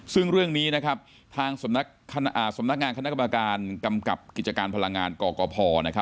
ซึ่งเรื่องนี้ทางสำนักงานคณะกรรมการกำกับกิจการพลังงานกกพ